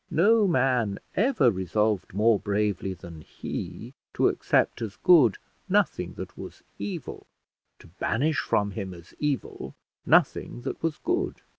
No man ever resolved more bravely than he to accept as good nothing that was evil; to banish from him as evil nothing that was good.